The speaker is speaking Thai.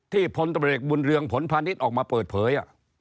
ที่พตบบผลพาณิชน์ออกมาเปิดเผย